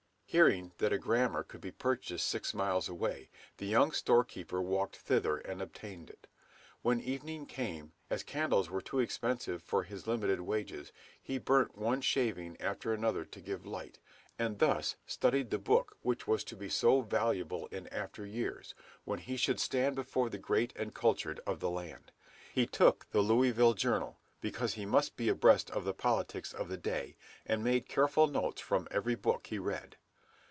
Hearing that a grammar could be purchased six miles away, the young store keeper walked thither and obtained it. When evening came, as candles were too expensive for his limited wages, he burnt one shaving after another to give light, and thus studied the book which was to be so valuable in after years, when he should stand before the great and cultured of the land. He took the "Louisville Journal," because he must be abreast of the politics of the day, and made careful notes from every book he read.